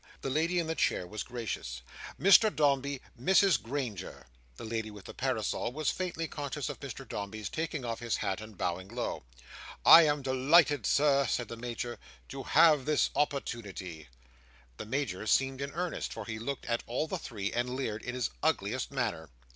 The lady in the chair was gracious. "Mr Dombey, Mrs Granger." The lady with the parasol was faintly conscious of Mr Dombey's taking off his hat, and bowing low. "I am delighted, Sir," said the Major, "to have this opportunity." The Major seemed in earnest, for he looked at all the three, and leered in his ugliest manner.